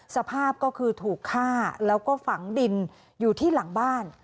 สภาพก็คือถูกฆ่าแล้วก็ฝังดินอยู่ที่หลังบ้าน